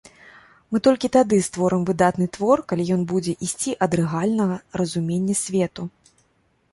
Мы толькі тады створым выдатны твор, калі ён будзе ісці ад рэальнага разумення свету.